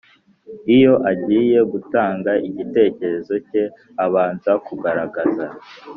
iyo agiye gutanga igitekerezo ke, abanza kugaragaza